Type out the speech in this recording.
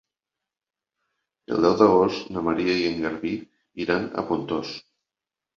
El deu d'agost na Maria i en Garbí iran a Pontós.